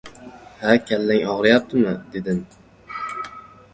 — Ha, kallang og‘riyaptimi? — dedim.